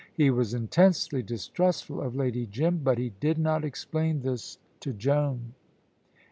He was intensely distrustful of Lady Jim, but he did not explain this to Joan.